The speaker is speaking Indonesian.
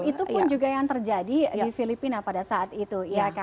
itu pun juga yang terjadi di filipina pada saat itu